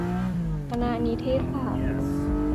คณะนิเทศศาสตร์